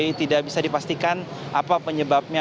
jadi tidak bisa dipastikan apa penyebabnya